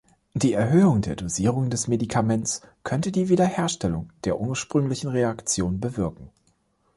Die Erhöhung der Dosierung des Medikaments könnte die Widerherstellung der ursprünglichen Reaktion bewirken.